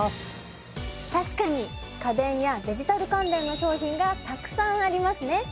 確かに家電やデジタル関連の商品がたくさんありますね。